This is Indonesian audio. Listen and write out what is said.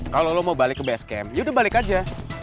kalau lo mau balik ke base camp yaudah balik aja